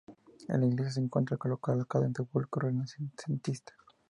En la iglesia se encuentra colocado un sepulcro renacentista.